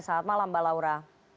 selamat malam mbak laura